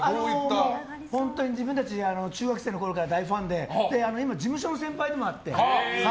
自分たち、中学生のころから大ファンで今、事務所の先輩でもあって。